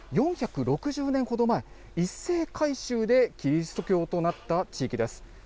４６０年ほど前、一斉改宗でキリスト教となった地域です。